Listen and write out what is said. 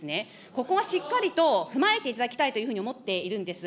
ここはしっかりと踏まえていただきたいというふうに思っているんです。